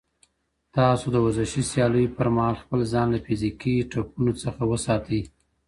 تاسو د ورزشي سیالیو پر مهال خپل ځان له فزیکي ټپونو څخه وساتئ.